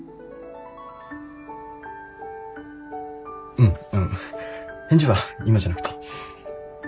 うんあの返事は今じゃなくていい。